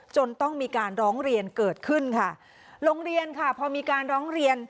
จนต้องมีการร้องเรียนเกิดขึ้นค่ะโรงเรียนค่ะพอมีการร้องเรียน